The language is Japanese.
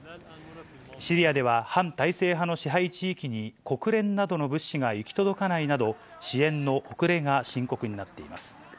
シリアでは反体制派の支配地域に国連などの物資が行き届かないなど、支援の遅れが深刻になっています。